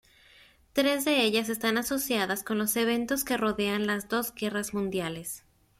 Tres de ellas están asociadas con los eventos que rodean las dos guerras mundiales.